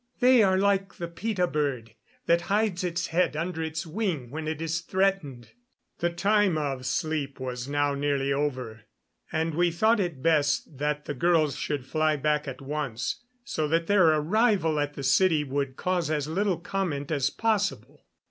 They are like the peeta bird, that hides its head under its wing when it is threatened." The time of sleep was now nearly over, and we thought it best that the girls should fly back at once, so that their arrival at the city would cause as little comment as possible.